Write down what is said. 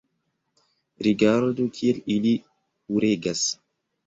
rigardu, kiel ili kuregas.